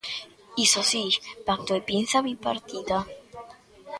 Iso si, pacto e pinza bipartita.